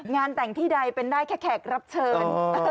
แต่งที่ใดเป็นได้แค่แขกรับเชิญ